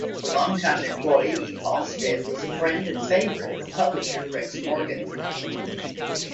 A long-time employee, Halstead was a friend and favorite of publisher Rex Morgan.